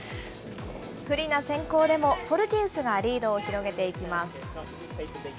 不利な先攻でも、フォルティウスがリードを広げていきます。